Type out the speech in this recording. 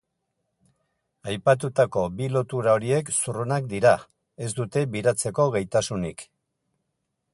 Aipatutako bi lotura horiek zurrunak dira, ez dute biratzeko gaitasunik.